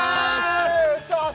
さあ